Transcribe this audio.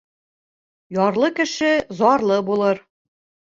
Ярлы кеше зарлы булыр.